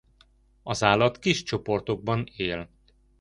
Az állat kis csoportokban él.